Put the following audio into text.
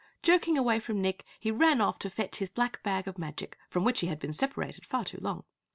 Jerking away from Nick, he ran off to fetch his black bag of magic, from which he had been separated far too long.